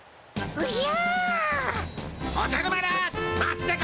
おじゃ！